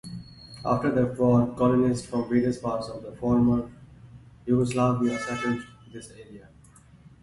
After the war, colonists from various parts of former Yugoslavia settled this area.